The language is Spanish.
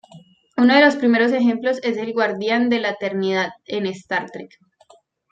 Uno de los primeros ejemplos es el guardián de la eternidad, en "Star Trek".